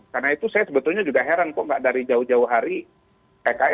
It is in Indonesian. karena itu saya sebetulnya juga heran kok enggak dari jauh jauh hari